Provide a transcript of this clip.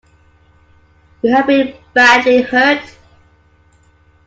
You have been badly hurt.